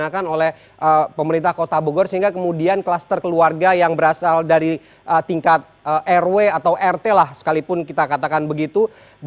kita juga berlaku